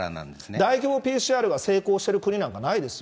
大規模ＰＣＲが成功している国なんてないですよ。